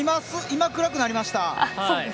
今、暗くなりました。